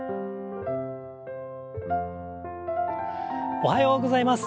おはようございます。